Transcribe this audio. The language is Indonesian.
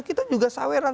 kita juga saweran